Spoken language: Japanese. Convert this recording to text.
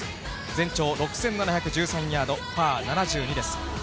全長６７１３ヤード、パー７２です。